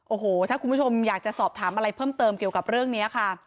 โอ้โหถ้าคุณผู้ชมอยากจะสอบถามอะไรเพิ่มเติมเกี่ยวกับเรื่องนี้ค่ะ